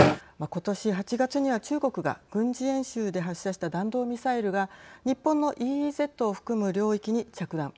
今年８月には中国が軍事演習で発射した弾道ミサイルが日本のＥＥＺを含む領域に着弾。